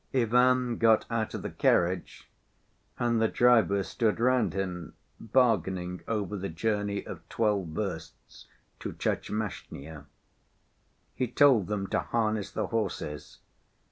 Ivan got out of the carriage, and the drivers stood round him bargaining over the journey of twelve versts to Tchermashnya. He told them to harness the horses.